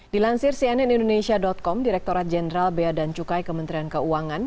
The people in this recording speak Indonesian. dilansir cnn indonesia com direkturat jenderal bea dan cukai kementerian keuangan